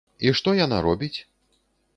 І што яна робіць?